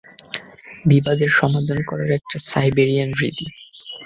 বিবাদের সমাধান করার একটা সাইবেরিয়ান রীতি।